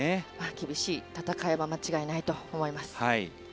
厳しい戦いは間違いないと思います。